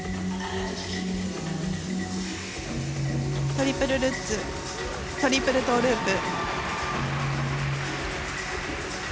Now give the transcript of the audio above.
トリプルルッツトリプルトーループ。